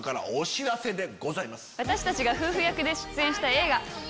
私たちが夫婦役で出演した映画。